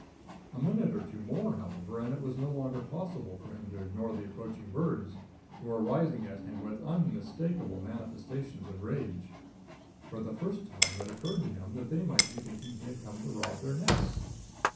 A minute or two more, however, and it was no longer possible for him to ignore the approaching birds, who were rising at him with unmistakable manifestations of rage. For the first time it occurred to him that they might be thinking he had come to rob their nests.